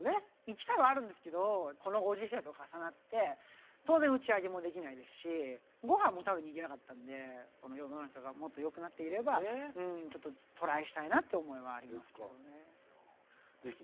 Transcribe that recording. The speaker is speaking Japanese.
行きたいはあるんですけどこのご時世と重なって当然打ち上げもできないですしごはんも食べに行けなかったので世の中がもっとよくなっていればちょっとトライしたいなって思いはありますけど。